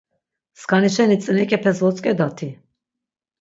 Skani şeni tzinek̆epes votzk̆edai?